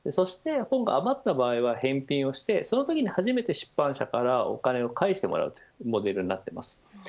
そして、本が余った場合は返品をしてそのとき初めて出版社からお金を返してもらうモデルになっています。